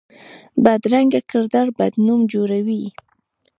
بدرنګه کردار بد نوم جوړوي